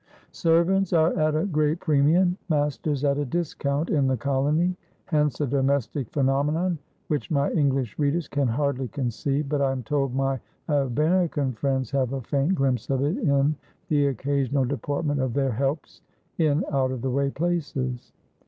Servants are at a great premium, masters at a discount, in the colony; hence a domestic phenomenon, which my English readers can hardly conceive, but I am told my American friends have a faint glimpse of it in the occasional deportment of their "helps" in out of the way places.